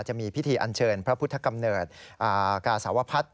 จะมีพิธีอันเชิญพระพุทธกำเนิดกาสาวพัฒน์